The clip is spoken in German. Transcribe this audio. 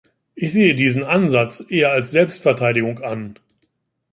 Ich sehe diesen Ansatz eher als Selbstverteidigung an.